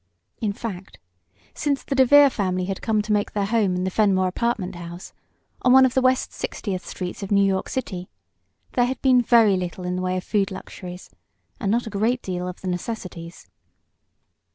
In fact since the DeVere family had come to make their home in the Fenmore Apartment House, on one of the West Sixtieth streets of New York City, there had been very little in the way of food luxuries, and not a great deal of the necessities.